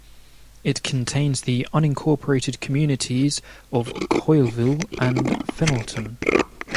It contains the unincorporated communities of Coyleville and Fenelton.